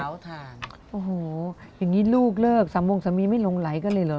แล้วก็เผาทานโอ้โหอย่างงี้ลูกเลิกสามวงสามีไม่ลงไหลก็เลยเหรอ